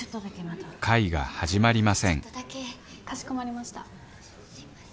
すいません。